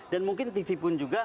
dan mungkin tv pun juga